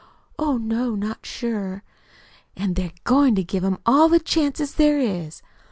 "Oh, no, not sure." "An' they're goin' to give him all the chances there is?"